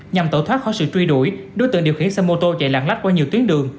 nhằm tẩu thoát khỏi sự truy đuổi đối tượng điều khiển xe mô tô chạy lạng lách qua nhiều tuyến đường